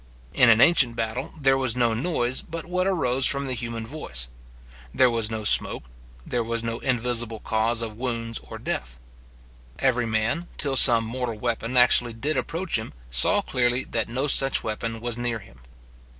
In an ancient battle, there was no noise but what arose from the human voice; there was no smoke, there was no invisible cause of wounds or death. Every man, till some mortal weapon actually did approach him, saw clearly that no such weapon was near him.